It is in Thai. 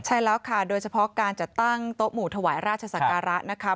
ใช่แล้วค่ะโดยเฉพาะการจัดตั้งโต๊ะหมู่ถวายราชศักระนะคะ